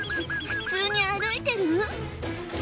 普通に歩いてる？